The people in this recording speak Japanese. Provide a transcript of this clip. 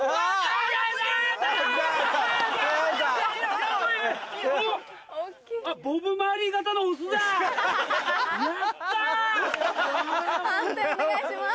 判定お願いします。